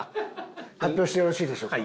発表してよろしいでしょうか？